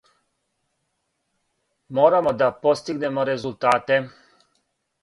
Морамо да постигнемо резултате.